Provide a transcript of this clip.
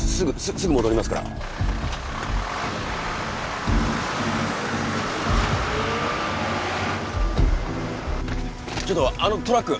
すぐ戻りますからちょっとあのトラック